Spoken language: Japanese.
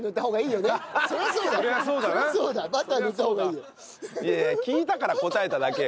いやいや聞いたから答えただけよ。